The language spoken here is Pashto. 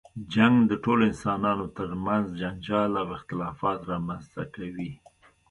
جنګ د ټولو انسانانو تر منځ جنجال او اختلافات رامنځته کوي.